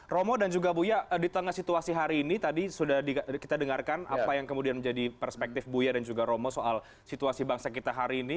romo dan juga buya di tengah situasi hari ini tadi sudah kita dengarkan apa yang kemudian menjadi perspektif buya dan juga romo soal situasi bangsa kita hari ini